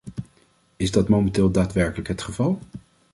Is dat momenteel daadwerkelijk het geval?